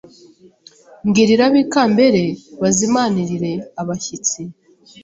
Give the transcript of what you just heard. Mbwirira abikambere bazimanirire abashyitsi